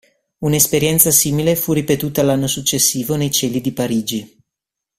Un'esperienza simile fu ripetuta l'anno successivo nei cieli di Parigi.